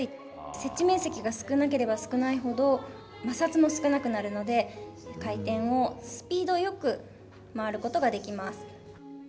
設置面積が少なければ少ないほど摩擦も少なくなるので回転をスピードよく回ることができます。